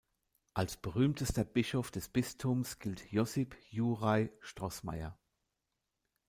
Als berühmtester Bischof des Bistums gilt Josip Juraj Strossmayer.